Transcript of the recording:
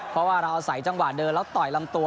เพราะเราใส่จังหวะเดินแล้วต่อยลำตัว